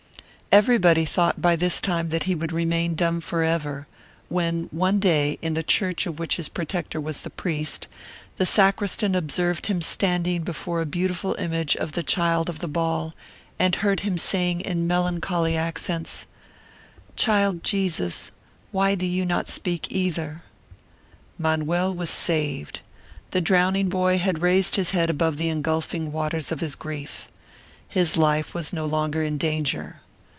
Everybody thought by this time that he would remain dumb forever, when one day, in the church of which his protector was the priest, the sacristan observed him standing before a beautiful image of the "Child of the Ball," and heard him saying in melancholy accents: "Child Jesus, why do you not speak either?" Manuel was saved. The drowning boy had raised his head above the engulfing waters of his grief. His life was no longer in danger.